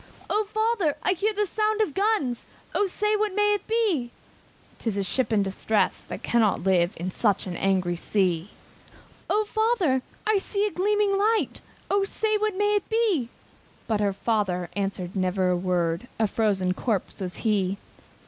"O father! I hear the sound of guns, O say, what may it be?" "Some ship in distress, that cannot live In such an angry sea!" "O father! I see a gleaming light, O say, what may it be?" But the father answered never a word, A frozen corpse was he.